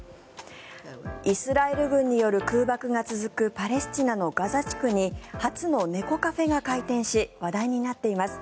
イスラエル軍による空爆が続くパレスチナのガザ地区に初の猫カフェが開店し話題になっています。